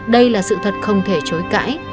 đây là sự thật không thể chối cãi